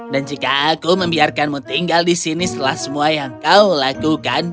dan jika aku membiarkanmu tinggal di sini setelah semua yang kau lakukan